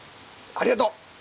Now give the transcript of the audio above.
ありがとう！